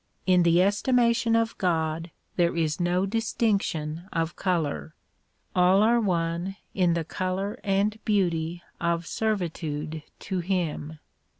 In the estimation of God there is no distinction of color ; all are one in the color and beauty of servitude to him.